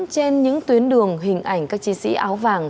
trên những tuyến đường hình ảnh các chiến sĩ áo vàng